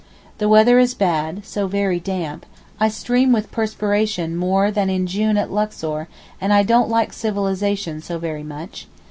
The weather is bad, so very damp; I stream with perspiration more than in June at Luxor, and I don't like civilization so very much.